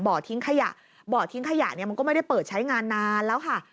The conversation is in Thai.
ทิ้งขยะบ่อทิ้งขยะเนี่ยมันก็ไม่ได้เปิดใช้งานนานแล้วค่ะ